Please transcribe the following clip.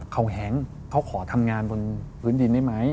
เขาแหงเขาขอทำงานบนพื้นดินได้ไหม